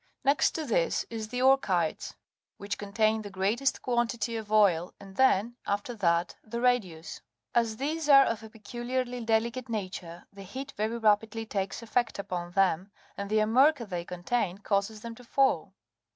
Next to this is the orchites, which contains the greatest quantity of oil, and then, after that, the radius. As these are of a peculiarly delicate nature, the heat very rapidly takes effect upon them, and the amurca they contain causes them to fall.